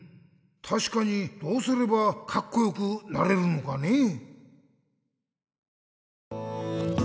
たしかにどうすればカッコよくなれるのかねぇ？